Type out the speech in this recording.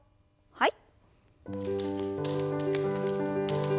はい。